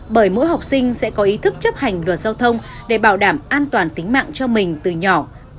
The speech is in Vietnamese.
bởi mỗi học sinh sẽ có ý thức chấp hành luật giao thông để bảo đảm an toàn tính mạng cho mình từ nhỏ